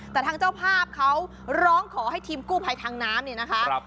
แต่ทางเจ้าภาพเขาร้องขอให้ทีมกู้ภัยทางน้ำเนี่ยนะคะ